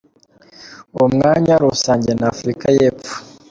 Uwo mwanya ruwusangiye na Afurika y’Epfo.